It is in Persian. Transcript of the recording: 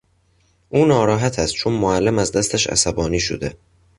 او ناراحت است چون معلم از دستش عصبانی شده.